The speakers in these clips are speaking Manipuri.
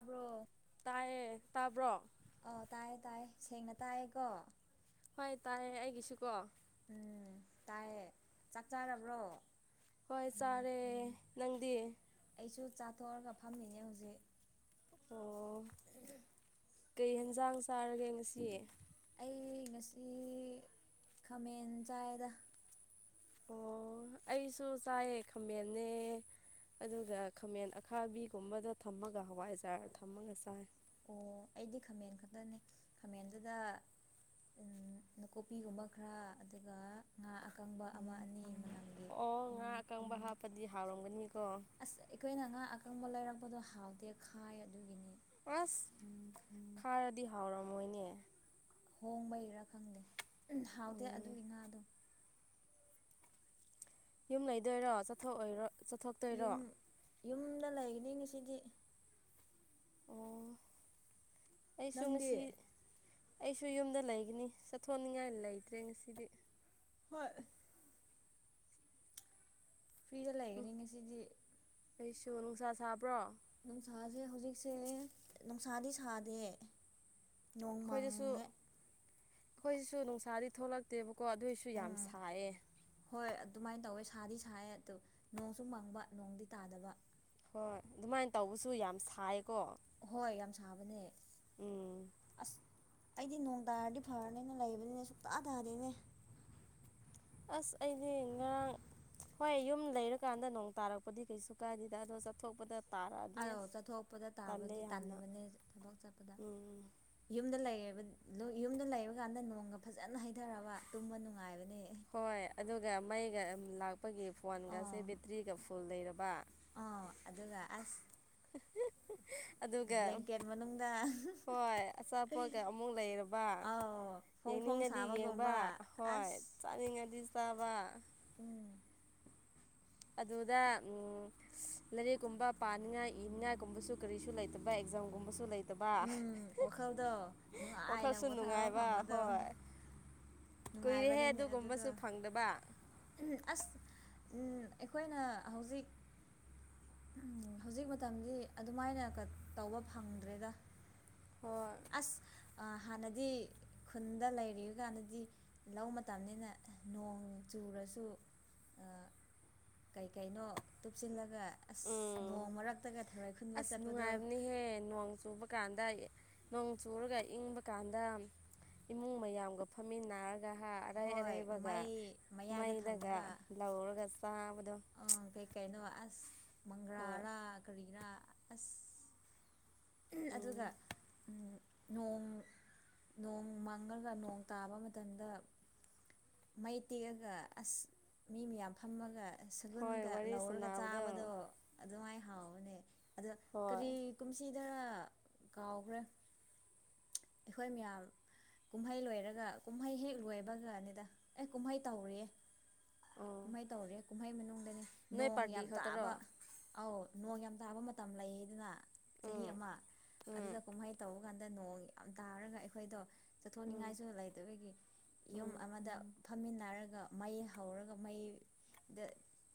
ꯇꯥꯕ꯭ꯔꯣ ꯇꯥꯏꯌꯦ ꯇꯥꯕ꯭ꯔꯣ ꯑꯥꯎ ꯇꯥꯏꯌꯦ ꯇꯥꯏꯌꯦ ꯁꯦꯡꯅ ꯇꯥꯏꯌꯦꯀꯣ ꯍꯣꯏ ꯇꯥꯏꯌꯦ ꯑꯩꯒꯤꯁꯨꯀꯣ ꯎꯝ ꯇꯥꯏꯌꯦ ꯆꯥꯛ ꯆꯥꯔꯕ꯭ꯔꯣ ꯍꯣꯏ ꯆꯥꯔꯦ ꯅꯪꯗꯤ ꯑꯩꯁꯨ ꯆꯥꯊꯣꯛꯑꯒ ꯐꯝꯃꯤꯅꯦ ꯍꯧꯖꯤꯛ ꯑꯣ ꯀꯩ ꯌꯦꯟꯖꯥꯡ ꯆꯥꯔꯒꯦ ꯉꯁꯤ ꯑꯩ ꯉꯁꯤ ꯈꯃꯦꯟ ꯆꯥꯏꯗ ꯑꯣ ꯑꯩꯁꯨ ꯆꯥꯏꯌꯦ ꯈꯃꯦꯟꯅꯦ ꯑꯗꯨꯒ ꯈꯃꯦꯟ ꯑꯈꯥꯕꯤꯒꯨꯝꯕꯗꯣ ꯊꯝꯃꯒ ꯍꯋꯥꯏꯖꯥꯔ ꯊꯝꯃꯒ ꯆꯥꯏ ꯑꯣ ꯑꯩꯗꯤ ꯈꯃꯦꯟ ꯈꯛꯇꯅꯦ ꯈꯃꯦꯟꯗꯨꯗ ꯎꯝ ꯅꯀꯨꯞꯄꯤꯒꯨꯝꯕ ꯈꯔ ꯑꯗꯨꯒ ꯉꯥ ꯑꯀꯪꯕ ꯑꯃ ꯑꯅꯤ ꯃꯅꯝ ꯑꯣ ꯉꯥ ꯑꯀꯪꯕ ꯍꯥꯞꯄꯗꯤ ꯍꯥꯎꯔꯝꯒꯅꯤꯀꯣ ꯑꯁ ꯑꯩꯈꯣꯏꯅ ꯉꯥ ꯑꯀꯪꯕ ꯂꯩꯔꯛꯄꯗꯣ ꯍꯥꯎꯗꯦ ꯈꯥꯏ ꯑꯗꯨꯒꯤꯅꯤ ꯑꯁ ꯈꯥꯔꯗꯤ ꯍꯥꯎꯔꯝꯃꯣꯏꯅꯦ ꯍꯣꯡꯕꯩꯔꯥ ꯈꯪꯗꯦ ꯍꯥꯎꯇꯦ ꯎꯝ ꯑꯗꯨꯒꯤ ꯉꯥꯗꯣ ꯌꯨꯝ ꯂꯩꯗꯣꯏꯔꯣ ꯆꯠꯊꯣꯛꯑꯣꯏꯔꯣ ꯆꯠꯊꯣꯛꯇꯣꯏꯔꯣ ꯌꯨꯝ ꯌꯨꯝꯗ ꯂꯩꯒꯅꯤ ꯉꯁꯤꯗꯤ ꯑꯣ ꯑꯩꯁꯨ ꯅꯪꯗꯤ ꯉꯁꯤ ꯑꯩꯁꯨ ꯌꯨꯝꯗ ꯂꯩꯒꯅꯤ ꯆꯠꯊꯣꯛꯅꯤꯡꯉꯥꯏ ꯂꯩꯇ꯭ꯔꯦ ꯉꯁꯤꯗꯤ ꯍꯣꯏ ꯐ꯭ꯔꯤꯗ ꯎꯝ ꯂꯩꯒꯅꯤ ꯉꯁꯤꯗꯤ ꯑꯩꯁꯨ ꯅꯨꯡꯁꯥ ꯁꯥꯕ꯭ꯔꯣ ꯅꯨꯡꯁꯥꯁꯦ ꯍꯧꯖꯤꯛꯁꯦ ꯅꯨꯡꯁꯥꯗꯤ ꯁꯥꯗꯦ ꯅꯣꯡ ꯈꯣꯏꯗꯁꯨ ꯃꯪꯉꯦ ꯈꯣꯏꯁꯨ ꯅꯨꯡꯁꯥꯗꯤ ꯊꯣꯛꯂꯛꯇꯦꯕꯀꯣ ꯑꯗꯨꯏꯁꯨ ꯌꯥꯝ ꯎꯝ ꯁꯥꯏꯌꯦ ꯍꯣꯏ ꯑꯗꯨꯃꯥꯏ ꯇꯧꯋꯦ ꯁꯥꯗꯤ ꯁꯥꯏꯌꯦ ꯑꯗꯨ ꯅꯣꯡꯁꯨ ꯃꯪꯕ ꯅꯣꯡꯗꯤ ꯇꯥꯗꯕ ꯍꯣꯏ ꯑꯗꯨꯃꯥꯏ ꯇꯧꯕꯁꯨ ꯌꯥꯝ ꯁꯥꯏꯀꯣ ꯍꯣꯏ ꯌꯥꯝ ꯁꯥꯕꯅꯦ ꯎꯝ ꯑꯁ ꯑꯩꯗꯤ ꯅꯣꯡ ꯇꯥꯔꯗꯤ ꯐꯔꯅꯤꯅ ꯂꯩꯕꯅꯤꯅꯦ ꯁꯨꯡꯇꯥ ꯇꯥꯗꯦꯅꯦ ꯑꯁ ꯑꯩꯗꯤ ꯉꯔꯥꯡ ꯍꯣꯏ ꯌꯨꯝ ꯂꯩꯔꯀꯥꯟꯗ ꯅꯣꯡ ꯇꯥꯔꯛꯄꯗꯤ ꯀꯩꯁꯨ ꯀꯥꯏꯗꯦꯗ ꯑꯗꯣ ꯆꯠꯊꯣꯛꯄꯗ ꯇꯥꯔꯛꯑꯗꯤ ꯑꯧ ꯑꯁ ꯆꯠꯊꯣꯛꯄꯗ ꯇꯜꯂꯦ ꯇꯥꯕꯗꯤ ꯌꯥꯝꯅ ꯇꯟꯕꯅꯦ ꯊꯕꯛ ꯆꯠꯄꯗ ꯎꯝ ꯌꯨꯝꯗ ꯂꯩꯔꯕꯥ ꯌꯨꯝꯗ ꯂꯩꯕꯀꯥꯟꯗ ꯅꯣꯡꯒ ꯐꯖꯅ ꯍꯩꯙꯔꯒꯥ ꯇꯨꯝꯕ ꯅꯨꯡꯉꯥꯏꯕꯅꯦ ꯍꯣꯏ ꯑꯗꯨꯒ ꯃꯩꯒ ꯂꯥꯛꯄꯒꯤ ꯐꯣꯟꯒꯁꯦ ꯕꯦꯇ꯭ꯔꯤꯒ ꯐꯨꯜ ꯂꯩꯔꯕ ꯑ ꯑꯗꯨꯒ ꯑꯁ [inaudible] ꯕ꯭ꯂꯦꯡꯀꯦꯠ ꯃꯅꯨꯡꯗ ꯍꯣꯏ ꯑꯆꯥꯄꯣꯠꯀ ꯑꯃꯨꯛ ꯂꯩꯔꯕ ꯑꯥꯎ ꯐꯣꯡ ꯐꯣꯡ ꯌꯦꯡꯅꯤꯡꯉꯗꯤ ꯌꯦꯡꯕ ꯁꯥꯕꯒꯨꯝꯕ ꯍꯣꯏ ꯑꯁ ꯆꯥꯅꯤꯡꯉꯗꯤ ꯆꯥꯕ ꯎꯝ ꯑꯗꯨꯗ ꯎꯝ ꯂꯥꯏꯔꯤꯛ ꯀꯨꯝꯕ ꯄꯥꯅꯤꯡꯉꯥꯏ ꯏꯅꯤꯉꯥꯏꯒꯨꯝꯕꯁꯨ ꯀꯔꯤꯁꯨ ꯂꯩꯇꯕ ꯑꯦꯛꯖꯥꯝꯒꯨꯝꯕꯁꯨ ꯂꯩ ꯇꯥꯕ ꯎꯝ ꯋꯥꯈꯜꯗꯣ ꯅꯨꯡꯉꯥꯏꯅ ꯋꯥꯈꯜꯁꯨ ꯄꯣꯊꯥꯕ ꯅꯨꯡꯉꯥꯏꯕ ꯐꯪꯕꯗꯣ ꯍꯣꯏ ꯀꯨꯏꯔꯦꯍꯦ ꯅꯨꯡꯉꯥꯏꯕꯗꯨꯅꯦ ꯑꯗꯨꯗꯣ ꯑꯗꯨꯒꯨꯝꯕꯁꯨ ꯐꯪꯗꯕ ꯑꯁ ꯑꯩꯈꯣꯏꯅ ꯍꯧꯖꯤꯛ ꯎꯝ ꯍꯧꯖꯤꯛ ꯃꯇꯝꯗꯤ ꯑꯗꯨꯃꯥꯏꯅ ꯀꯠ ꯇꯧꯕ ꯐꯪꯗ꯭ꯔꯦꯗ ꯍꯣꯏ ꯑꯁ ꯑꯥ ꯍꯥꯟꯅꯗꯤ ꯈꯨꯟꯗ ꯂꯩꯔꯤ ꯀꯥꯟꯗꯗꯤ ꯂꯧ ꯃꯇꯝꯅꯤꯅ ꯅꯣꯡ ꯆꯨꯔꯁꯨ [inaudible] ꯀꯩꯀꯩꯅꯣ ꯇꯨꯞꯁꯤꯜꯂꯒ ꯑꯁ ꯎꯝ ꯅꯣꯡ ꯃꯔꯛꯇꯒ ꯊꯔꯣꯏ ꯈꯨꯟꯕ ꯆꯠꯄꯗꯣ ꯍꯦ ꯅꯣꯡ ꯆꯨꯕ ꯀꯥꯟꯗ ꯅꯣꯡ ꯆꯨꯔꯒ ꯏꯪꯕ ꯀꯥꯟꯗ ꯏꯃꯨꯡ ꯃꯌꯥꯝꯒ ꯐꯝꯃꯤꯟꯅꯔꯒ ꯍꯥ ꯑꯔꯩ ꯍꯣꯏ ꯑꯔꯩꯕꯒ ꯃꯩ ꯃꯌꯥꯏꯗ ꯃꯩꯗꯒ ꯂꯧꯔꯒꯥ ꯆꯥꯕꯗꯨ ꯑꯥ ꯀꯩ ꯀꯩꯅꯣ ꯑꯁ ꯍꯣꯏ ꯃꯪꯒ꯭ꯔꯥꯔꯥ ꯀꯔꯤꯔꯥ ꯑꯁ ꯎꯝ ꯑꯗꯨꯒ ꯎꯝ ꯅꯣꯡ ꯅꯣꯡ ꯃꯪꯉꯒ ꯅꯣꯡ ꯇꯥꯕ ꯃꯇꯝꯗ ꯃꯩ ꯇꯤꯛꯑꯒ ꯑꯁ ꯃꯤ ꯃꯌꯥꯝ ꯐꯝꯃꯒ ꯍꯣꯏ ꯁꯒꯨꯟꯒ ꯋꯥꯔꯤ ꯂꯧꯔꯒ ꯁꯥꯟꯅꯕꯗꯣ ꯆꯥꯕꯗꯣ ꯑꯗꯨꯃꯥꯏ ꯍꯥꯎꯕꯅꯦ ꯑꯗ ꯍꯣꯏ ꯀꯔꯤ ꯀꯨꯝꯁꯤꯗ ꯀꯥꯎꯈ꯭ꯔꯦ ꯑꯩꯈꯣꯏ ꯃꯌꯥꯝ ꯀꯨꯝꯍꯩ ꯂꯣꯏꯔꯒ ꯀꯨꯝꯍꯩ ꯍꯦꯛ ꯂꯣꯏꯕꯒꯅꯤꯗ ꯑꯦ ꯀꯨꯝꯍꯩ ꯇꯧꯔꯤꯌꯦ ꯎꯝ ꯀꯨꯝꯍꯩ ꯇꯧꯔꯦ ꯀꯨꯝꯍꯩ ꯃꯅꯨꯡꯗꯅꯦ ꯅꯣꯏ ꯅꯣꯡ ꯄꯥꯔꯇꯤ ꯌꯥꯝ ꯈꯛꯇꯔꯣ ꯇꯥꯕ ꯑꯧ ꯅꯣꯡ ꯌꯥꯝ ꯇꯥꯕ ꯃꯇꯝ ꯂꯩꯌ‌ꯦꯗꯅ ꯆꯍꯤ ꯎꯝ ꯑꯃ ꯎꯝ ꯑꯗꯨꯗ ꯀꯨꯝꯍꯩ ꯇꯧꯕ ꯀꯥꯟ ꯗ ꯅꯣꯡ ꯌꯥꯝ ꯇꯥꯔꯒ ꯑꯩꯈꯣꯏꯗꯣ ꯎꯝ ꯆꯠꯊꯣꯛꯅꯤꯡꯉꯥꯏꯁꯨ ꯂꯩꯇꯕꯒꯤ ꯌꯨꯝ ꯎꯝ ꯑꯃꯗ ꯐꯝꯃꯤꯟꯅꯔꯒ ꯃꯩ ꯍꯧꯔꯒ ꯃꯩꯗ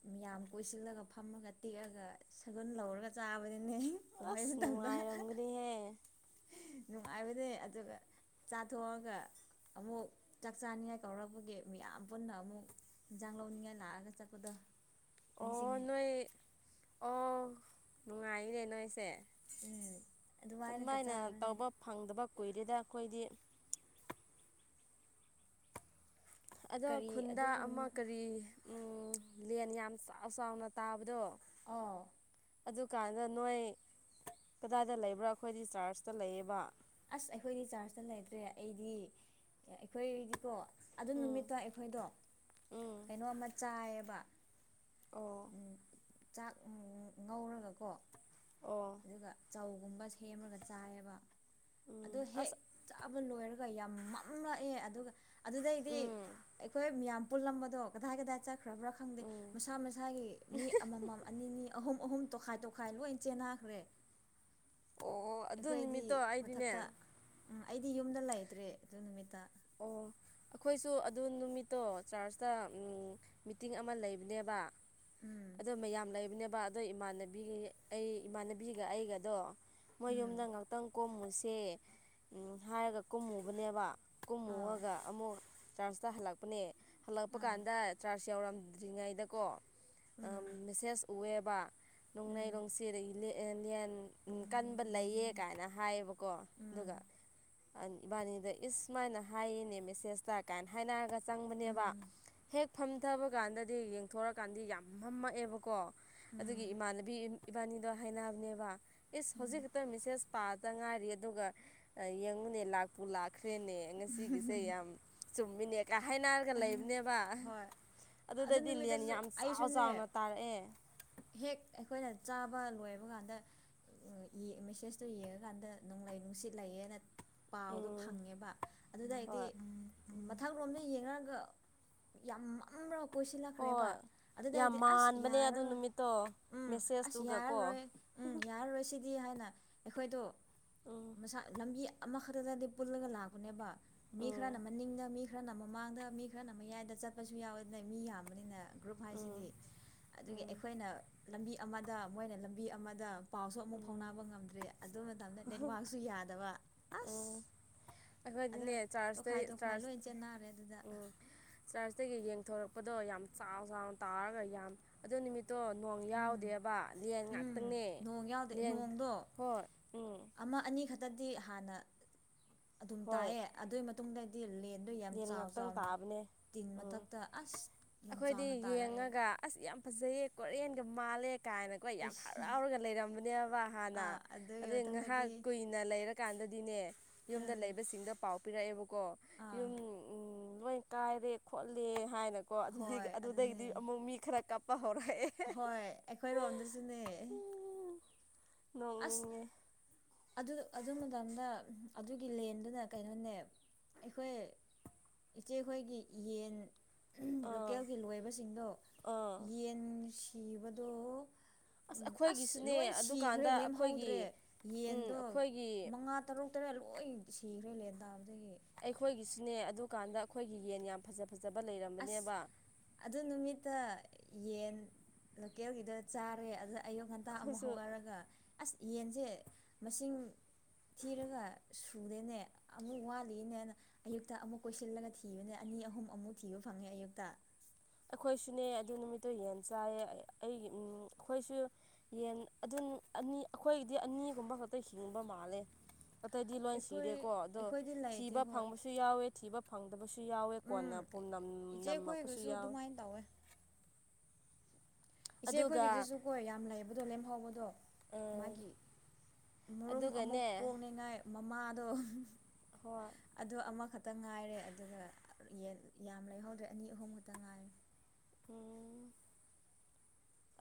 ꯃꯤꯌꯥꯝ ꯀꯣꯏꯁꯤꯜꯂꯒ ꯐꯝꯃꯒ ꯇꯦꯛꯑꯒ ꯁꯒꯨꯟ ꯂꯧꯔꯒ ꯆꯥꯕꯗꯨꯅꯦ ꯀꯨꯝꯍꯩ ꯑꯁ ꯃꯇꯝꯗ ꯅꯨꯡꯉꯥꯏꯔꯝꯒꯅꯤꯍꯦ ꯅꯨꯡꯉꯥꯏꯕꯅꯦ ꯑꯗꯨꯒ ꯆꯥꯊꯣꯛꯑꯒ ꯑꯃꯨꯛ ꯆꯥꯛ ꯆꯥꯅꯤꯡꯉꯥꯏ ꯀꯧꯔꯛꯄꯒꯤ ꯃꯤꯌꯥꯝ ꯄꯨꯟꯅ ꯑꯃꯨꯛ ꯏꯟꯖꯥꯡ ꯂꯧꯅꯤꯡꯉꯥꯏ ꯂꯥꯛꯑꯒ ꯆꯠꯄꯗꯣ ꯑꯣ ꯅꯤꯡꯁꯤꯡꯉꯤ ꯅꯣꯏ ꯑꯣ ꯅꯨꯡꯉꯥꯏꯅꯦ ꯅꯣꯏꯁꯦ ꯎꯝ ꯑꯗꯨꯃꯥꯏꯅꯒ ꯑꯗꯨꯃꯥꯏꯅ ꯆꯥꯕꯅꯦ ꯇꯧꯕ ꯐꯪꯗꯕ ꯀꯨꯏꯔꯦꯗ ꯑꯈꯣꯏꯗꯤ ꯑꯗꯣ ꯀꯔꯤ ꯈꯨꯟꯗ ꯑꯃ ꯑꯗꯨꯒꯨꯝꯕ ꯀꯔꯤ ꯂꯦꯟ ꯌꯥꯝ ꯆꯥꯎ ꯆꯥꯎꯅ ꯇꯥꯕꯗꯣ ꯍ‌ꯣ ꯑꯗꯨꯀꯥꯟꯗ ꯅꯣꯏ ꯀꯗꯥꯏꯗ ꯂꯩꯕ꯭ꯔꯥ ꯑꯩꯈꯣꯏꯗꯤ ꯆꯥꯔꯖꯇ ꯂꯩꯌꯦꯕ ꯑꯁ ꯑꯩꯈꯣꯏꯗꯤ ꯆꯥꯔꯖꯇ ꯂꯩꯇ꯭ꯔꯦ ꯑꯩꯗꯤ ꯑꯩꯈꯣꯏꯗꯤꯀꯣ ꯑꯗꯨ ꯎꯝ ꯅꯨꯃꯤꯠꯇꯣ ꯑꯩꯈꯣꯏꯗꯣ ꯎꯝ ꯀꯩꯅꯣꯃ ꯆꯥꯏꯌꯦꯕ ꯑꯣ ꯆꯥꯛ ꯉꯧꯔꯒꯀꯣ ꯑꯣ ꯑꯗꯨꯒ ꯆꯧꯒꯨꯝꯕ ꯁꯦꯝꯃꯒ ꯆꯥꯏꯌꯦꯕ ꯎꯝ ꯑꯗꯣ ꯍꯦꯛ ꯑꯁ ꯆꯥꯕ ꯂꯣꯏꯔꯒ ꯌꯥꯝ ꯃꯝꯂꯛꯑꯦ ꯑꯗꯨꯒ ꯑꯗꯨꯗꯩꯗꯤ ꯎꯝ ꯑꯩꯈꯣꯏ ꯃꯌꯥꯝ ꯄꯨꯂꯝ ꯕꯗꯣ ꯀꯗꯥꯏ ꯀꯗꯥꯏ ꯆꯠ [unintelligible] ꯕꯔꯥ ꯈꯪꯗꯦ ꯎꯝ ꯃꯁꯥ ꯃꯁꯥꯒꯤ ꯃꯤ ꯑꯃꯃꯝ ꯑꯅꯤꯅꯤ ꯑꯍꯨꯝ ꯑꯍꯨꯝ ꯇꯣꯈꯥꯏ ꯇ‌ꯣ ꯈꯥꯏ ꯂꯣꯏ ꯆꯦꯟꯅꯈ꯭ꯔꯦ ꯑꯣ ꯑꯗꯨ ꯑꯩꯈꯣꯏꯗꯤ ꯅꯨꯃꯤꯠꯇꯣ ꯃꯊꯛꯇ ꯑꯩꯗꯤꯅꯦ ꯎꯝ ꯑꯩꯗꯤ ꯌꯨꯝꯗ ꯂꯩꯇ꯭ꯔꯦ ꯑꯗꯨ ꯅꯨꯃꯤꯠꯇ ꯑꯣ ꯑꯩꯈꯣꯏꯁꯨ ꯑꯗꯨ ꯅꯨꯃꯤꯠꯇꯣ ꯆꯥꯔꯆꯇ ꯃꯤꯇꯤꯡ ꯑꯃ ꯂꯩꯕꯅꯦꯕ ꯎꯝ ꯑꯗꯣ ꯃꯌꯥꯝ ꯂꯩꯕꯅꯦꯕ ꯑꯗꯣ ꯏꯃꯥꯟꯅꯕꯤ ꯑꯩ ꯏꯃꯥꯟꯅꯕꯤꯒ ꯑꯩꯒꯗꯣ ꯃꯣꯏ ꯌꯨꯝꯗ ꯎꯝ ꯉꯥꯛꯇꯪ ꯀꯣꯝꯃꯨꯁꯦ ꯎꯝ ꯍꯥꯏꯔꯒ ꯀꯨꯝꯃꯨꯕꯅꯦꯕ ꯑꯥ ꯀꯨꯝꯃꯨꯑꯒ ꯑꯃꯨꯛ ꯆꯥꯔꯖꯇ ꯍꯜꯂꯛꯄꯅꯦ ꯍꯜꯂꯛꯄ ꯑꯥ ꯀꯥꯟꯗ ꯆꯥꯔꯖ ꯌꯧꯔꯝꯗ꯭ꯔꯤ ꯉꯩꯗꯀꯣ ꯎꯝ ꯃꯦꯁꯦꯖ ꯎꯑꯦꯕ ꯅꯣꯡꯂꯩ ꯎꯝ ꯅꯨꯡꯁꯤꯠ [unintelligible] ꯌꯦꯟ ꯎꯝ ꯀꯟꯕ ꯂꯩꯌꯦ ꯎꯝ ꯀꯥꯏꯅ ꯍꯥꯏꯌꯦꯕꯀꯣ ꯑꯗꯨꯒ ꯎꯝ ꯏꯕꯥꯅꯤꯗ ꯏꯁ ꯁꯨꯃꯥꯏꯅ ꯍꯥꯏꯌꯦꯅꯦ ꯃꯦꯁꯦꯖꯇ ꯀꯥꯏꯅ ꯍꯥꯏꯅꯔꯒ ꯎꯝ ꯆꯪꯕꯅꯦꯕ ꯎꯝ ꯍꯦꯛ ꯐꯝꯊꯕ ꯀꯥꯟꯗꯗꯤ ꯌꯦꯡꯊꯣꯔꯀꯥꯟꯗꯤ ꯌꯥꯝ ꯐꯝꯃꯛꯑꯦꯕꯀꯣ ꯑꯗꯨꯒꯤ ꯎꯝ ꯏꯃꯥꯟꯅꯕꯤ ꯏꯕꯥꯅꯤꯗꯣ ꯍꯥꯏꯅꯕꯅꯦꯕ ꯏꯁ ꯍꯧꯖꯤꯛ ꯎꯝ ꯈꯛꯇ ꯃꯤꯁꯦꯁ ꯄꯥꯗ ꯉꯥꯏꯔꯤ ꯑꯗꯨꯒ ꯌꯦꯡꯉꯨꯅꯦ ꯂꯥꯛꯄꯨ ꯂꯥꯛꯈ꯭ꯔꯦꯅꯦ ꯉꯁꯤꯒꯤꯁꯦ ꯌꯥꯝ ꯆꯨꯝꯃꯤꯅꯦ ꯀ ꯍꯥꯏꯅꯥꯔꯒ ꯂꯩꯕꯅꯦꯕ ꯍꯣꯏ ꯑꯗꯨ ꯑꯗꯨꯗꯗꯤ ꯂꯦꯟ ꯅꯨꯃꯤꯠꯇꯁꯨ ꯌꯥꯝ ꯆꯥꯎ ꯑꯩꯁꯨꯅꯦ ꯆꯥꯎꯅ ꯇꯥꯔꯛꯑꯦ ꯍꯦꯛ ꯑꯩꯈꯣꯏꯅ ꯆꯥꯕ ꯂꯣꯏꯕ ꯀꯥꯟꯗ ꯃꯦꯁꯦꯖꯇꯣ ꯌꯦꯡꯉꯀꯥꯟꯗ ꯅ‌ꯣꯡꯂꯩ ꯅꯨꯡꯁꯤꯠ ꯂꯩꯌꯦꯅ ꯄꯥꯎꯗꯣ ꯎꯝ ꯐꯪꯉꯦꯕ ꯑꯗꯨꯗꯩꯗꯤ ꯍꯣꯏ ꯃꯊꯛ ꯔ‌ꯣꯝꯗ ꯌꯦꯡꯉꯔꯒ ꯌꯥꯝ ꯃꯝꯅ ꯀꯣꯏꯁꯤꯜꯂꯛꯈ꯭ꯔꯦꯕ ꯍꯣꯏ ꯌꯥꯝ ꯑꯗꯨꯗꯩꯗꯤ ꯑꯁ ꯃꯥꯟꯕꯅꯦ ꯑꯗꯨ ꯌꯥꯔꯔꯣꯏ ꯅꯨꯃꯤꯠꯇꯣ ꯎꯝ ꯑꯁ ꯌꯥꯔ ꯃꯦꯁꯦꯁꯇꯨꯒꯀꯣ ꯔꯣꯏ ꯎꯝ ꯌꯥꯔ ꯔꯣꯏꯁꯤ ꯗꯤ ꯍꯥꯏꯅ ꯑꯩꯈꯣꯏꯗꯣ ꯎꯝ ꯃꯁꯥ ꯂꯝꯕꯤ ꯑꯃꯈꯛꯇꯗꯗꯤ ꯄꯨꯜꯂꯒ ꯂꯥꯛꯄꯅꯦꯕ ꯃꯤ ꯎꯝ ꯈꯔꯅ ꯃꯅꯤꯡꯗ ꯃꯤ ꯈꯔꯅ ꯃꯃꯥꯡꯗ ꯃꯤ ꯈꯔꯅ ꯃꯌꯥꯏꯗ ꯆꯠꯄꯁꯨ ꯌꯥꯎꯋꯦ ꯑꯗꯨꯅ ꯃꯤ ꯌꯥꯝꯕꯅꯤꯅ ꯒ꯭ꯔꯨꯞ ꯍꯥꯏꯁꯤꯗꯤ ꯑꯗꯨꯒꯤ ꯑꯩꯈꯣꯏꯅ ꯂꯝꯕꯤ ꯑꯃꯗ ꯃꯣꯏꯅ ꯂꯝꯕꯤ ꯑꯃꯗ ꯄꯥꯎꯁꯨ ꯑꯃꯨꯛ ꯎꯝ ꯐꯥꯎꯅꯕ ꯉꯝꯗ꯭ꯔꯦ ꯑꯗꯨ ꯃꯇꯝꯗ ꯅꯦꯠꯋꯥꯛꯁꯨ ꯌꯥꯗꯕ ꯑꯁ ꯎꯝ ꯑꯗꯣ ꯑꯩꯈꯣꯏꯗꯤꯅꯦ ꯆꯥꯔꯖꯇꯩ ꯇꯣꯈꯥꯏ ꯇꯣꯈꯥꯏ ꯂꯣꯏ ꯆꯦꯟꯅꯔꯦ ꯑꯗꯨꯗ ꯆꯔꯆꯇꯒꯤ ꯌꯦꯡꯊꯣꯔꯛꯄꯗꯣ ꯌꯥꯝ ꯆꯥꯎ ꯆꯥꯎꯟ ꯇꯥꯔꯒ ꯌꯥꯝ ꯑꯗꯨ ꯅꯨꯃꯤꯠ ꯇꯣ ꯅꯣꯡ ꯌꯥꯎꯗꯦꯕ ꯂꯦꯟ ꯎꯝ ꯉꯥꯛꯇꯅꯦ ꯅꯣꯡ ꯌꯥꯎꯗꯦ ꯂꯦꯟ ꯅꯣꯡꯗꯣ ꯍꯣꯏ ꯎꯝ ꯑꯃ ꯑꯅꯤ ꯈꯇꯗꯤ ꯍꯥꯟꯅ ꯑꯗꯨꯝ ꯍꯣꯏ ꯇꯥꯏꯌꯦ ꯑꯗꯨꯏ ꯃꯠ ꯇꯨꯡꯗꯗꯤ ꯂꯦꯟꯗꯣ ꯌꯥꯝ ꯂꯦꯟ ꯆꯥꯎ ꯉꯥꯛꯇꯪ ꯆꯥꯎꯅ ꯇꯥꯕꯅꯦ ꯇꯤꯟ ꯎꯝ ꯃꯊꯛꯇ ꯑꯁ ꯌꯥꯝ ꯆꯥꯎꯅ ꯇꯥꯔꯛꯑꯦ ꯑꯒ ꯑꯁ ꯌꯥꯝ ꯐꯖꯩꯌꯦ ꯀꯔꯤꯌꯟꯒ ꯃꯥꯜꯂꯦ ꯀꯥꯏꯅ ꯈꯣꯏ ꯌꯥꯝ ꯑꯩꯁ ꯍꯔꯥꯎꯔꯒ ꯂꯩꯔꯝꯕꯅꯦꯕ ꯍꯥꯟꯅ ꯑꯥ ꯑꯗꯨꯒꯤ ꯑꯗꯨꯏ ꯉꯥꯏꯍꯥꯛ ꯃꯇꯨꯡꯗꯗꯤ ꯀꯨꯏꯅ ꯅ ꯂꯩꯔꯀꯥꯟꯗꯗꯤꯅꯦ ꯌꯨꯝꯗ ꯑꯥ ꯂꯩꯕꯁꯤꯡꯗ ꯄꯥꯎ ꯄꯤꯔꯛꯑꯦꯕꯀꯣ ꯑꯥ ꯎꯝ ꯂꯣꯏ ꯀꯥꯏꯔꯦ ꯈꯣꯠꯂꯦ ꯍꯥꯏꯅꯀꯣ ꯑꯗꯨꯗꯒꯤ ꯍꯣꯏ ꯑꯗꯨꯅꯦ ꯑꯗꯨꯗꯒꯤꯗꯤ ꯑꯃꯨꯛ ꯃꯤ ꯈꯔ ꯀꯞꯄ ꯍꯔꯛꯑꯦ ꯍꯣꯏ ꯑꯩꯈꯣꯏꯔꯣꯝꯗꯁꯨꯅꯦ [unintelligible] ꯑꯁ ꯑꯗꯨ ꯑꯗꯨ ꯃꯇꯝꯗ ꯑꯗꯨꯒꯤ ꯂꯦꯟꯗꯨꯅ ꯀꯩꯅꯣꯅꯦ ꯑꯩꯈꯣꯏ ꯏꯆꯦꯈꯣꯏꯒꯤ ꯌꯦꯟ ꯑꯥ ꯂꯣꯀꯦꯜꯒꯤ ꯂꯣꯏꯕꯁꯤꯡꯗꯣ ꯑꯥ ꯌꯦꯟ ꯁꯤꯕꯗꯣ ꯎꯝ ꯑꯁ ꯑꯩꯈꯣꯏꯒꯤꯁꯨꯅꯦ ꯂꯣꯏ ꯁꯤꯈ꯭ꯔꯦ ꯑꯗꯨꯀꯥꯟꯗ ꯑꯩꯈꯣꯏꯒꯤ ꯂꯦꯝꯍꯧꯗ꯭ꯔꯦ ꯎꯝ ꯌꯦꯟꯗꯣ ꯑꯩꯈꯣꯏꯒꯤ ꯃꯉꯥ ꯇꯔꯨꯛ ꯇꯔꯦꯠ ꯂꯣꯏ ꯁꯤꯈ꯭ꯔꯦ ꯂꯦꯟ ꯇꯥꯕꯗꯒꯤ ꯑꯩꯈꯣꯏꯒꯤꯁꯨꯅꯦ ꯑꯗꯨꯀꯥꯟꯗ ꯑꯩꯈꯣꯏꯒꯤ ꯌꯦꯟ ꯌꯥꯝ ꯐꯖ ꯐꯖꯕ ꯑꯁ ꯂꯩꯔꯝꯕꯅꯦꯕ ꯑꯗꯨ ꯅꯨꯃꯤꯠꯇ ꯌꯦꯟ ꯂꯣꯀꯦꯜꯒꯤꯗꯣ ꯆꯥꯔꯦ ꯑꯗ ꯑꯌꯨꯛ ꯉꯟꯇꯥ ꯑꯃꯨꯛ ꯑꯩꯈꯣꯏꯁꯨ ꯍꯧꯒꯔꯒ ꯑꯁ ꯌꯦꯟꯖꯦ ꯃꯁꯤꯡ ꯊꯤꯔꯒ ꯁꯨꯨꯗꯦꯅꯦ ꯑꯃꯨꯛ ꯋꯥꯠꯂꯤꯅꯦꯅ ꯑꯌꯨꯛꯇ ꯑꯃꯨꯛ ꯀꯣꯏꯁꯤꯜꯂꯒ ꯊꯤꯕꯅꯦ ꯑꯅꯤ ꯑꯍꯨꯝ ꯑꯃꯨꯛ ꯊꯤꯕ ꯐꯪꯉꯦ ꯑꯌꯨꯛꯇ ꯑꯩꯈꯣꯏꯁꯨꯅꯦ ꯑꯗꯨ ꯅꯨꯃꯤꯠꯇꯨ ꯌꯦꯟ ꯆꯥꯏꯌꯦ ꯑꯩꯒꯤ ꯎꯝ ꯑꯩꯈꯣꯏꯁꯨ ꯌꯦꯟ ꯑꯗꯨꯟ ꯑꯅꯤ ꯑꯩꯈꯣꯏꯒꯤꯗꯤ ꯑꯅꯤꯒꯨꯝꯕ ꯈꯛꯇ ꯍꯤꯡꯕ ꯃꯥꯜꯂꯦ ꯑꯇꯩꯗꯤ ꯂꯣꯏ ꯑꯩꯈꯣꯏ ꯁꯤꯔꯦꯀꯣ ꯑꯗꯣ ꯑꯩꯈꯣꯏꯗꯤ ꯂꯩꯇꯦ ꯊꯤꯕ ꯍꯣꯏ ꯐꯪꯕ ꯌꯥꯎꯋꯦ ꯊꯤꯕ ꯐꯪꯗꯕꯁꯨ ꯌꯥꯎꯋꯦ ꯀꯣꯟꯅ ꯎꯝ ꯄꯨꯝꯅꯝ ꯏꯆꯦ ꯅꯝꯃꯛꯄꯁꯨ ꯑꯩꯈꯣꯏꯒꯤꯁꯨ ꯌꯥꯎꯋꯦ [unintelligible] ꯇꯧꯋꯦ ꯑꯗꯨꯒ ꯏꯆꯦꯈꯣꯏꯒꯤꯗꯨꯁꯨ ꯀꯣ ꯌꯥꯝ ꯂꯩꯕꯗꯣ ꯂꯦꯝꯍꯧꯕꯗꯣ ꯃꯥꯒꯤ ꯃꯔꯨꯝ ꯑꯃꯨꯛ ꯑꯗꯨꯒꯅꯦ ꯀꯣꯛꯅꯤꯉꯥꯏ ꯃꯃꯥꯗꯣ ꯍꯣꯏ ꯑꯗꯣ ꯑꯃꯈꯛꯇꯪ ꯉꯥꯏꯔꯦ ꯑꯗꯨꯒ ꯌꯦꯟ ꯌꯥꯝ ꯂꯩꯍꯧꯗ꯭ꯔꯦ ꯑꯅꯤ ꯑꯍꯨꯝ ꯈꯛꯇ ꯉꯥꯏꯔꯦ [inaudible]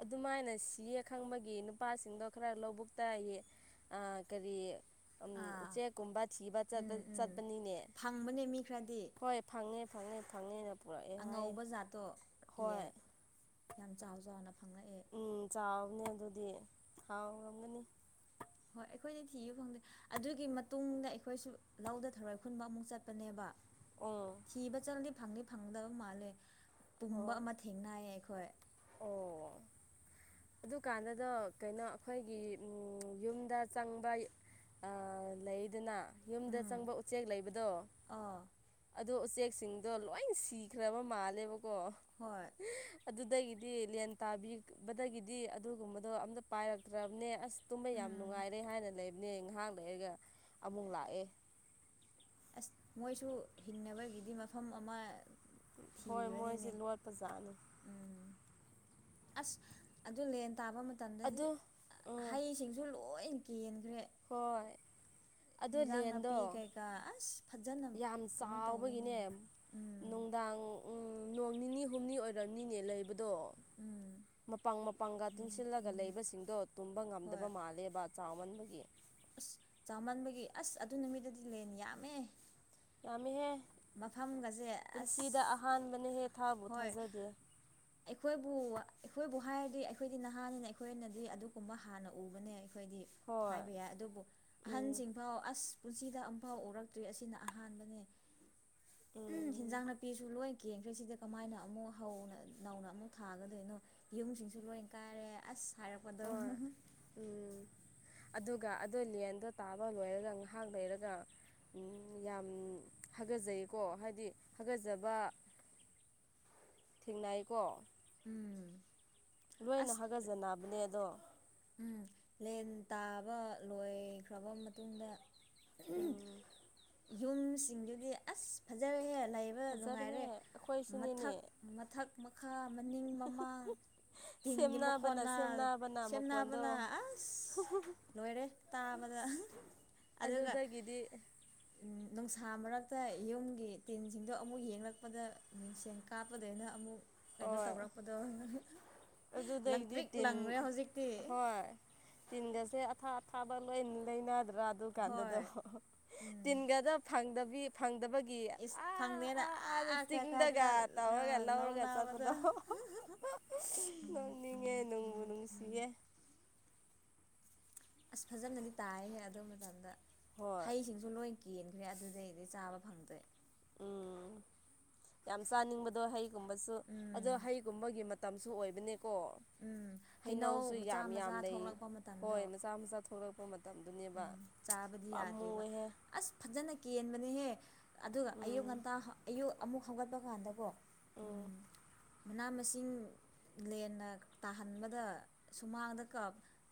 ꯑꯗꯨꯃꯥꯏꯅ ꯁꯤꯌꯦ ꯈꯪꯕꯒꯤ ꯅꯨꯄꯥꯁꯤꯡꯗꯣ ꯈꯔ ꯂꯧꯕꯨꯛꯇ ꯌꯦ ꯑꯥ ꯀꯔꯤ ꯎꯝ ꯑꯥ ꯎꯆꯦꯛꯀꯨꯝꯕ ꯊꯤꯕ ꯆꯠꯄ ꯎꯝ ꯎꯝ ꯆꯠꯄꯅꯤꯅꯦ ꯐꯪꯕꯅꯦ ꯃꯤ ꯈꯔꯗꯤ ꯍꯣꯏ ꯐꯪꯉꯦ ꯐꯪꯉꯦ ꯐꯪꯉꯦꯅ ꯄꯨꯔꯛꯑꯦ ꯍꯥꯏꯌꯦ ꯑꯉꯧꯕ ꯖꯥꯠꯇꯣ ꯍꯣꯏ ꯌꯦꯟ ꯌꯥꯝ ꯆꯥꯎ ꯆꯥꯎꯅ ꯐꯪꯔꯛꯑꯦ ꯎꯝ ꯆꯥꯎꯕꯅꯦ ꯑꯗꯨꯗꯤ ꯍꯥꯎꯔꯝꯒꯅꯤ ꯍꯣꯏ ꯑꯩꯈꯣꯏꯗꯤ ꯊꯤꯕ ꯐꯪꯗꯦ ꯑꯗꯨꯒꯤ ꯃꯇꯨꯡꯗ ꯑꯩꯈꯣꯏꯁꯨ ꯂꯧꯗ ꯊꯔꯣꯏ ꯈꯨꯟꯕ ꯑꯃꯨꯛ ꯆꯠꯄꯅꯦꯕ ꯎꯝ ꯊꯤꯕ ꯆꯠꯂꯗꯤ ꯐꯪꯗꯤ ꯐꯪꯒꯗꯕ ꯃꯥꯜꯂꯦ ꯄꯨꯝꯕ ꯍꯣꯏ ꯑꯃ ꯊꯦꯡꯅꯩꯌꯦ ꯑꯩꯈꯣꯏ ꯑꯣ ꯑꯗꯨꯀꯥꯟꯗꯗꯣ ꯀꯩꯅꯣ ꯑꯩꯈꯣꯏꯒꯤ ꯎꯝ ꯌꯨꯝꯗ ꯆꯪꯕ ꯑꯥ ꯂꯩꯗꯅ ꯌꯨꯝꯗ ꯎꯝ ꯆꯪꯕ ꯎꯆꯦꯛ ꯂꯩꯕꯗꯣ ꯑꯥ ꯑꯗꯣ ꯎꯆꯦꯛꯁꯤꯡꯗꯣ ꯂꯣꯏ ꯁꯤꯈ꯭ꯔꯕ ꯃꯥꯜꯂꯦꯕꯀꯣ ꯍꯣꯏ ꯑꯗꯨꯗꯒꯤꯗꯤ ꯂꯦꯟ ꯇꯥꯕꯤꯕꯗꯒꯤꯗꯤ ꯑꯗꯨꯒꯨꯝꯕꯗꯣ ꯑꯝꯇ ꯄꯥꯏꯔꯛꯇ꯭ꯔꯕꯅꯦ ꯑꯁ ꯇꯨꯝꯕ ꯌꯥꯝ ꯎꯝ ꯅꯨꯡꯉꯥꯏꯔꯦ ꯍꯥꯏꯅ ꯂꯩꯕꯅꯦ ꯉꯥꯏꯍꯥꯛ ꯂꯩꯔꯒ ꯑꯃꯨꯛ ꯂꯥꯛꯑꯦ ꯑꯁ ꯃꯣꯏꯁꯨ ꯍꯤꯡꯅꯕꯒꯤꯗꯤ ꯃꯐꯝ ꯑꯃ ꯍꯣꯏ ꯃꯣꯏꯁꯦ ꯊꯤꯒꯤꯕꯅꯤꯅꯦ ꯂꯣꯠꯄ ꯖꯥꯠꯅꯤ ꯎꯝ ꯑꯁ ꯑꯗꯨ ꯂꯦꯟ ꯇꯥꯕ ꯃꯇꯝ ꯃꯇꯝꯗꯗꯤ ꯑꯗꯨ ꯎꯝ ꯍꯩꯁꯤꯡꯁꯨ ꯂꯣꯏ ꯀꯦꯟꯈ꯭ꯔꯦ ꯍꯣꯏ ꯑꯗꯨ ꯍꯤꯟꯖꯥꯡ ꯂꯦꯟꯗꯣ ꯅꯥꯄꯤ ꯀꯩꯀꯥ ꯑꯁ ꯐꯖꯅ ꯌꯥꯝ ꯀꯩꯅꯣ ꯇꯧꯋꯦꯅꯦ ꯆꯥꯎꯕꯒꯤꯅꯦ ꯎꯝ ꯅꯨꯡꯗꯥꯡ ꯎꯝ ꯅꯣꯡ ꯅꯤꯅꯤ ꯍꯨꯝꯅꯤ ꯑꯣꯏꯔꯝꯅꯤꯅꯦ ꯂꯩꯕꯗꯣ ꯎꯝ ꯃꯄꯥꯡ ꯃ ꯄꯪꯒꯥ ꯎꯝ ꯇꯨꯡꯁꯤꯜꯂꯒ ꯎꯝ ꯂꯩꯕꯁꯤꯡꯗꯣ ꯇꯨꯝꯕ ꯍꯣꯏ ꯉꯝꯗꯕ ꯃꯥꯜꯂꯦꯕ ꯆꯥꯎꯃꯟꯕꯒꯤ ꯑꯁ ꯆꯥꯃꯟꯕꯒꯤ ꯑꯁ ꯑꯗꯨ ꯅꯨꯃꯤꯠꯇꯨꯗꯤ ꯂꯦꯟ ꯌꯥꯝꯃꯦ ꯌꯥꯝꯃꯤꯍꯦ ꯃꯐꯝꯒꯁꯦ ꯑꯁ ꯄꯨꯟꯁꯤꯗ ꯑꯍꯥꯟꯕꯅꯍꯦ ꯊꯥꯕꯨ ꯍꯣꯏ ꯊꯥꯖꯗꯦ ꯑꯩꯈꯣꯏꯕꯨ ꯑꯩꯈꯣꯏꯕꯨ ꯍꯥꯏꯔꯗꯤ ꯑꯩꯈꯣꯏꯗꯤ ꯅꯍꯥꯅꯤꯅ ꯑꯩꯈꯣꯏꯅꯗꯤ ꯑꯗꯨꯒꯨꯝꯕ ꯍꯥꯟꯅ ꯎꯕꯅꯦ ꯑꯩꯈꯣꯏꯗꯤ ꯍꯣꯏ ꯍꯥꯏꯕ ꯌꯥꯏ ꯑꯗꯨꯕꯨ ꯎꯝ ꯑꯍꯟꯁꯤꯡꯐꯥꯎ ꯑꯁ ꯄꯨꯟꯁꯤꯗ ꯑꯃꯝꯐꯥꯎ ꯎꯔꯛꯇ꯭ꯔꯤ ꯑꯁꯤꯅ ꯑꯍꯥꯟꯕꯅꯦ ꯎꯝ ꯍꯤꯟꯖꯥꯡ ꯅꯥꯄꯤꯁꯨ ꯂꯣꯏ ꯀꯦꯟꯈ꯭ꯔꯦ ꯁꯤꯗ ꯀꯃꯥꯏꯅ ꯑꯃꯨꯛ ꯍꯧꯅ ꯅꯧꯅ ꯑꯃꯨꯛ ꯊꯥꯒꯗꯣꯏꯅꯣ ꯌꯨꯝꯁꯤꯡꯁꯨ ꯂꯣꯏ ꯀꯥꯏꯔꯦ ꯑꯁ ꯍꯥꯏꯔꯛꯄꯗꯣ ꯍꯣꯏ ꯎꯝ ꯑꯗꯨꯒ ꯑꯗꯨ ꯂꯦꯟꯗꯣ ꯇꯥꯕ ꯂꯣꯏꯔꯒ ꯉꯥꯏꯍꯥꯛ ꯂꯩꯔꯒ ꯎꯝ ꯌꯥꯝ ꯍꯥꯒꯆꯩꯀꯣ ꯍꯥꯏꯗꯤ ꯍꯥꯒꯆꯕ ꯊꯦꯡꯅꯩꯀꯣ꯫ ꯎꯝ꯫ ꯂꯣꯏꯅ ꯑꯁ ꯍꯥꯒꯠꯖꯅꯕꯅꯦ ꯑꯗꯣ ꯎꯝ ꯂꯦꯟ ꯇꯥꯕ ꯂꯣꯏꯈ꯭ꯔꯕ ꯃꯇꯨꯡꯗ ꯎ ꯎꯝ ꯌꯨꯝꯁꯤꯡꯗꯨꯗꯤ ꯑꯁ ꯐꯖꯔꯍꯦ ꯂꯩ ꯐꯖꯔꯦꯍꯦ ꯅꯨꯡꯉꯥꯏꯔꯦ ꯑꯩꯈꯣꯏꯁꯨꯅꯤꯅꯦ ꯃꯊꯛ ꯃꯊꯛ ꯃꯈꯥ ꯃꯅꯤꯡ ꯃꯃꯥꯡ ꯇꯤꯟꯒꯤ ꯁꯦꯝꯅꯕꯅ ꯃꯈꯣꯟꯅ ꯁꯦꯝꯅꯕꯅ ꯃꯈꯣꯟꯗꯣ ꯁꯦꯝꯅꯕꯅ ꯑꯁ ꯂꯣꯏꯔꯦ ꯇꯥꯕꯗ ꯑꯗꯨꯒ ꯑꯗꯨꯗꯒꯤꯗꯤ ꯅꯨꯡꯁꯥ ꯃꯔꯛꯇ ꯌꯨꯝꯒꯤ ꯇꯤꯟꯁꯤꯡꯗꯣ ꯑꯃꯨꯛ ꯌꯦꯡꯂꯛꯄꯗ ꯃꯤꯡꯁꯦꯟ ꯀꯥꯞꯄꯗꯩꯅ ꯑꯃꯨꯛ ꯀꯩꯅꯣ ꯍꯣꯏ ꯇꯧꯔꯛꯄꯗꯣ ꯑꯗꯨꯗꯒꯤꯗꯤ ꯂꯪꯇ꯭ꯔꯤꯛ ꯇꯤꯟ ꯂꯪꯈꯔꯦ ꯍꯧꯖꯤꯛꯇꯤ꯫ ꯍꯣꯏ ꯇꯤꯟꯒꯁꯦ ꯑꯊꯥ ꯑꯊꯥꯕ ꯂꯣꯏꯅ ꯂꯩꯅꯗ꯭ꯔꯥ ꯑꯗꯨ ꯀꯥꯟꯗꯨꯗ ꯍꯣꯏ ꯎꯝ ꯇꯤꯟꯒꯗ ꯐꯪꯗꯕꯤ ꯐꯪꯗꯕꯒꯤ ꯏꯁ ꯑꯥ ꯐꯪꯗꯦꯅ ꯑꯥꯗ ꯑꯥ ꯀꯥꯢ ꯆꯤꯡꯗꯒ ꯀꯥꯏꯗꯅꯣ ꯇꯧꯔꯒ ꯂꯧꯔꯒ ꯂꯧꯅꯥ ꯌꯥꯕꯗ [unintelligible] ꯅꯪꯅꯤꯡꯉꯦ ꯅꯨꯡꯕꯨ ꯅꯨꯡꯁꯤꯌꯦ꯫ ꯑꯁ ꯐꯖꯅꯗꯤ ꯇꯥꯏꯍꯦ ꯑꯗꯨ ꯃꯇꯝꯗ ꯍꯣꯏ ꯍꯩꯁꯤꯡꯁꯨ ꯂꯣꯏ ꯀꯦꯟꯈ꯭ꯔꯦ ꯑꯗꯨꯗꯩꯗꯤ ꯆꯥꯕ ꯐꯪꯗ꯭ꯔꯦ꯫ ꯎꯝ ꯌꯥꯝ ꯆꯥꯅꯤꯡꯕꯗꯣ ꯍꯩꯒꯨꯝꯕꯁꯨ ꯑꯗꯣ ꯎꯝ ꯍꯩꯒꯨꯝꯕꯒꯤ ꯃꯇꯝꯁꯨ ꯑꯣꯏꯕꯅꯦꯀꯣ꯫ ꯎꯝ ꯍꯩꯅꯧ ꯍꯩꯅꯧꯁꯨ ꯃꯆꯥ ꯌꯥꯝ ꯌꯥꯝ ꯃꯆꯥ ꯂꯩ ꯊꯣꯛꯂꯛꯄ ꯃꯇꯝꯗꯣ ꯍꯣꯏ ꯃꯆꯥ ꯃꯆꯥ ꯊꯣꯛꯂꯛꯄ ꯃꯇꯝ ꯃꯇꯝꯗꯨꯅꯦꯕ ꯎꯝ ꯆꯥꯕꯗꯤ ꯄꯥꯝꯃꯨ ꯌꯥꯗ꯭ꯔꯤꯕ ꯑꯣꯏꯍꯦ ꯑꯁ ꯐꯖꯅ ꯀꯦꯟꯕꯅꯦꯍꯦ ꯑꯗꯨꯒ ꯑꯌꯨꯛ ꯎꯝ ꯉꯟꯇꯥ ꯑꯌꯨꯛ ꯑꯃꯨꯛ ꯍꯧꯒꯠꯄ ꯀꯥꯟꯗꯀꯣ ꯎꯝ ꯃꯅꯥ ꯃꯁꯤꯡ ꯂꯦꯟꯅ ꯇꯥꯍꯟꯕꯗ ꯁꯨꯃꯥꯡꯗ ꯀ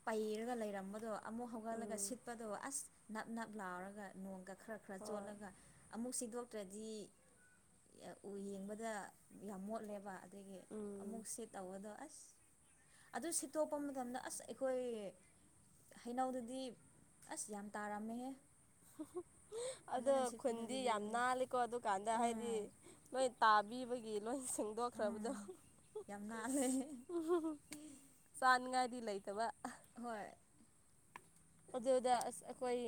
ꯄꯩꯔꯒ ꯂꯩꯔꯝꯕꯗꯣ ꯑꯃꯨꯛ ꯍꯧꯒꯠꯂꯛ ꯎꯝ ꯁꯤꯠꯄꯗꯣ ꯑꯁ ꯅꯞ ꯅꯞ ꯅꯞ ꯂꯥꯎꯔꯒ ꯅꯣꯡꯒ ꯈꯔ ꯈꯔ ꯍꯣꯏ ꯆꯣꯠꯂꯒ ꯑꯃꯨꯛ ꯁꯤꯗꯣꯛ ꯇ꯭ꯔꯗꯤ ꯎ ꯌꯦꯡꯕꯗ ꯌꯥꯝ ꯃꯣꯠꯂꯦꯕ꯫ ꯑꯗꯒꯤ ꯎꯝ ꯑꯃꯨꯛꯁꯦ ꯇꯧꯕꯗꯣ ꯑꯁ ꯑꯗꯨ ꯁꯤꯠꯇꯣꯛꯄ ꯃꯇꯝꯗ ꯑꯁ ꯑꯩꯈꯣꯏ ꯍꯩꯅꯧꯗꯨꯗꯤ ꯑꯁ ꯌꯥꯝ ꯇꯥꯔꯝꯃꯦꯍꯦ꯫ ꯑꯗꯣ ꯐꯖꯅ ꯁꯤꯠꯄꯅꯦ ꯈꯨꯟꯗꯤ ꯌꯥꯝ ꯑꯗꯨꯗꯗꯤ ꯅꯥꯂꯤꯀꯣ ꯑꯗꯨꯀꯥꯟꯗ ꯍꯥꯏꯗꯤ ꯎꯝ ꯃꯣꯏ ꯇꯥꯕꯤꯕꯒꯤ ꯂꯣꯏ ꯁꯦꯡ ꯈꯔꯗꯥ ꯎꯝ ꯌꯥꯝ ꯅꯥꯜꯂꯦ ꯆꯥꯟꯉꯥꯏꯗꯤ ꯂꯩꯇꯕ ꯍꯣꯏ ꯑꯗꯨꯗ ꯑꯩꯈꯣꯏ